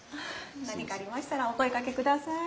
何かありましたらお声かけください。